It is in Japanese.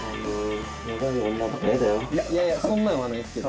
いやいやそんなんはないんですけど。